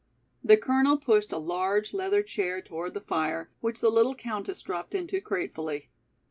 The Colonel pushed a large leather chair toward the fire, which the little countess dropped into gratefully.